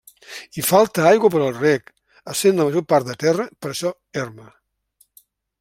Hi falta aigua per al reg, essent la major part de terra, per això, erma.